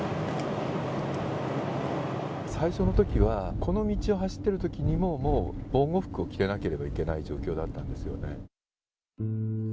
最初のときは、この道を走ってるときにも、もう防護服を着てなければいけない状況だったんですよね。